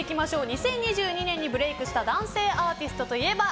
２０２２年にブレイクした男性アーティストといえば？